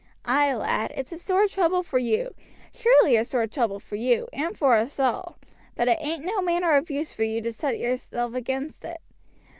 Ay, lad, it's a sore trouble for you, surely a sore trouble for you, and for us all; but it ain't no manner of use for you to set yourself agin it.